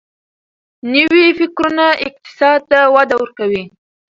نوي فکرونه اقتصاد ته وده ورکوي.